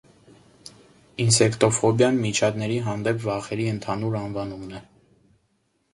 Ինսեկտոֆոբիան միջատների հանդեպ վախերի ընդհանուր անվանումն է։